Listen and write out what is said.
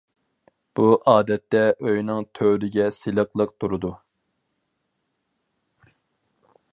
بۇ ئادەتتە ئۆينىڭ تۆرىگە سېلىقلىق تۇرىدۇ.